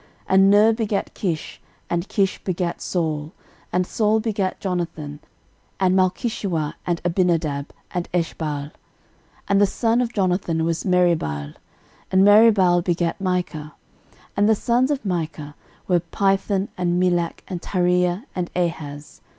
13:009:039 And Ner begat Kish; and Kish begat Saul; and Saul begat Jonathan, and Malchishua, and Abinadab, and Eshbaal. 13:009:040 And the son of Jonathan was Meribbaal: and Meribbaal begat Micah. 13:009:041 And the sons of Micah were, Pithon, and Melech, and Tahrea, and Ahaz.